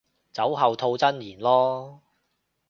酒後吐真言囉